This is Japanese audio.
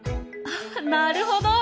なるほど！